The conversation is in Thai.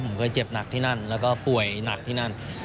ผมเคยเจ็บหนักที่นั่นแล้วก็ป่วยหนักที่นั่น